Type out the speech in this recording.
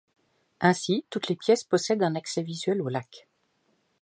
Ainsi, toutes les pièces possèdent un accès visuel au lac.